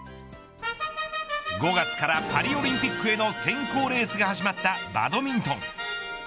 ５月からパリオリンピックへの選考レースが始まったバドミントン。